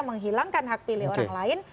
menghilangkan hak pilih orang lain